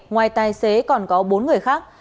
ngoài tài xế còn có bốn người khác